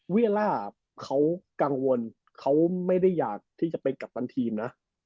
ล่าเขากังวลเขาไม่ได้อยากที่จะเป็นกัปตันทีมนะ